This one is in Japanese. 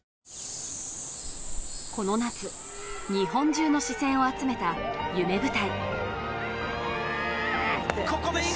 この夏日本中の視線を集めた夢舞台。